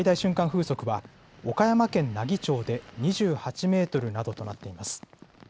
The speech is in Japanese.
風速は、岡山県奈義町で２８メートルなどとなっています。